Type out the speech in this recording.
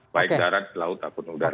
baik darat laut ataupun udara